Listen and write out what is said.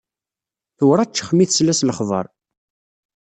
Tewraccex mi tesla s lexber.